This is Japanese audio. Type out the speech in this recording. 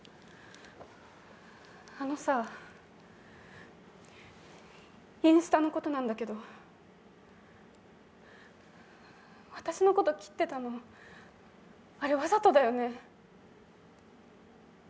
あのさ、インスタのことなんだけど、私のこと切ってたの、あれわざとだよね？